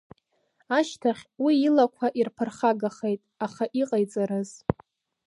Ашьҭахь уи илақәа ирԥырхагахеит, аха иҟаиҵарыз.